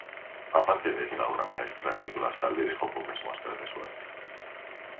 Aparte de esta obra maestra, Nicola Salvi dejó pocas muestras de su arte.